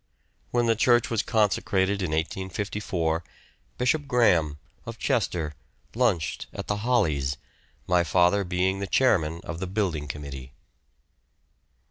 When the church was consecrated in 1854, Bishop Graham, of Chester, lunched at the "Hollies," my father being the chairman of the Building Committee.